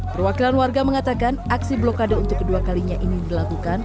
perwakilan warga mengatakan aksi blokade untuk kedua kalinya ini dilakukan